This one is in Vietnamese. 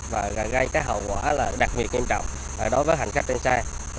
và gây hậu quả đặc biệt nghiêm trọng đối với hành khách trên xe